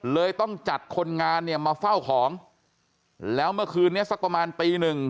เลยต้องจัดคนงานเนี่ยมาเฝ้าของแล้วเมื่อคืนนี้สักประมาณตีหนึ่ง